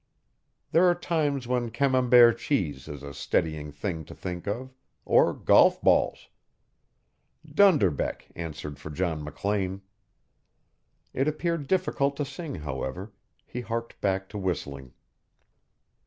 There are times when Camembert cheese is a steadying thing to think of or golf balls. "Dunderbeck" answered for John McLean. It appeared difficult to sing, however he harked back to whistling.